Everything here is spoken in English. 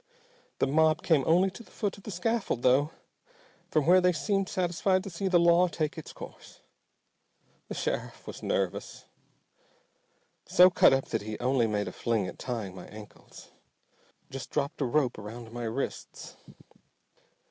The mob came only to the foot of the scaffold though, from where they seemed satisfied to see the law take its course. The sheriff was nervous. So cut up that he only made a fling at tying my ankles, just dropped a rope around my wrists.